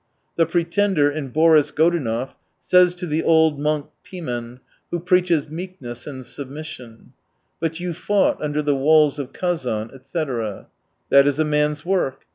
The Pretender in Boris Godunov says to the old monk Pimen, who preaches meekness and submission :" But you fought under the walls of Kazan, etc." That is a man's work.